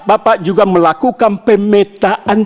bapak juga melakukan pemetaan